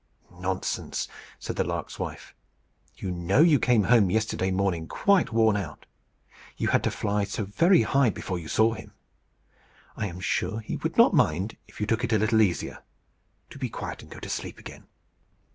"Nonsense!" said the lark's wife. "You know you came home yesterday morning quite worn out you had to fly so very high before you saw him. I am sure he would not mind if you took it a little easier. Do be quiet and go to sleep again."